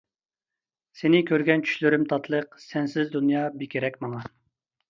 سېنى كۆرگەن چۈشلىرىم تاتلىق، سەنسىز دۇنيا بىكېرەك ماڭا.